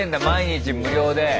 毎日無料で。